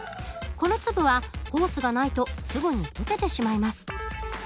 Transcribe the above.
この粒はホースがないとすぐに溶けてしまいます。